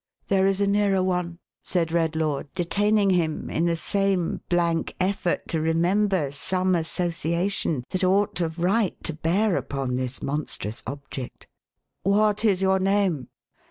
There is a nearer one," said Redlaw, detaining him, in the same blank effort to remember some association that ought, of right, to bear upon this monstrous object. "What is your name?"